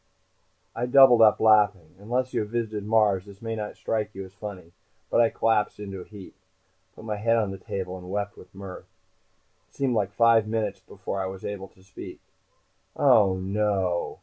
I doubled up, laughing. Unless you have visited Mars this may not strike you as funny, but I collapsed into a heap. I put my head on the table and wept with mirth. It seemed like five minutes before I was able to speak. "Oh, no!"